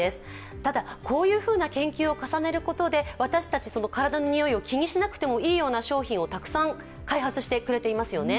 こういうふうな研究を重ねることで、私たち体のにおいを、気にしなくてもいいような商品をたくさん開発してくれてますよね。